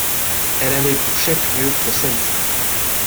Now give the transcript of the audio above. Elle avait pour chef-lieu Cosenza.